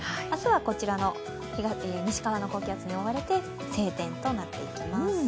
明日はこちらの西側の高気圧に覆われて晴天となっていきます。